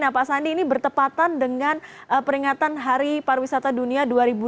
nah pak sandi ini bertepatan dengan peringatan hari pariwisata dunia dua ribu dua puluh